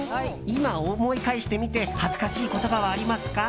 今、思い返してみて恥ずかしい言葉はありますか？